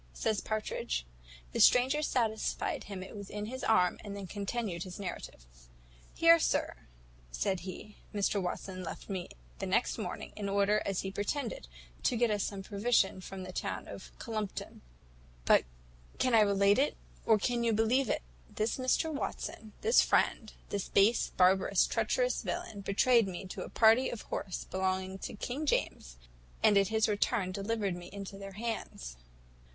says Partridge. The stranger satisfied him it was in his arm, and then continued his narrative. "Here, sir," said he, "Mr Watson left me the next morning, in order, as he pretended, to get us some provision from the town of Collumpton; but can I relate it, or can you believe it? this Mr Watson, this friend, this base, barbarous, treacherous villain, betrayed me to a party of horse belonging to King James, and at his return delivered me into their hands.